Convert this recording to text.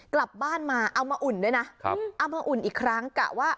กลับบ้านมาเอามาอุ่นด้วยนะครับเอามาอุ่นอีกครั้งกะว่า